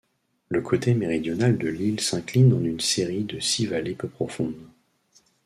Le côté méridional de l'île s'incline en une série de six vallées peu profondes.